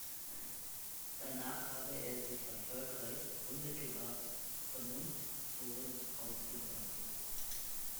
Danach habe er sich erfolgreich unmittelbar von Hund zu Hund ausgebreitet.